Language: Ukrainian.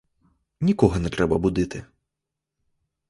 Нікого не треба будити.